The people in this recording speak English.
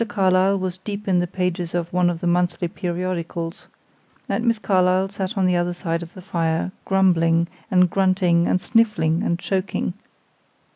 Carlyle was deep in the pages of one of the monthly periodicals, and Miss Carlyle sat on the other side of the fire, grumbling, and grunting, and sniffling, and choking.